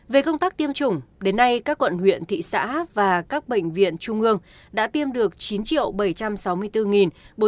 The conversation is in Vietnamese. về công tác tiêm chủng đến nay các quận huyện thị xã và các bệnh viện trung ương đã tiêm được chín bảy trăm sáu mươi bốn bốn trăm một mươi bốn mũi